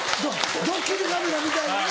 ドッキリカメラみたいのな。